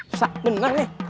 susah bener nih